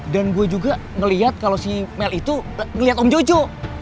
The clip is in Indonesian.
dan gue juga ngeliat kalo si mel itu ngeliat om jojo